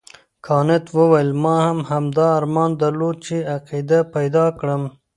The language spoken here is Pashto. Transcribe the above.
کانت وویل ما هم همدا ارمان درلود چې عقیده پیدا کړم.